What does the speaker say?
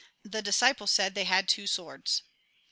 The disciples said they had two swords.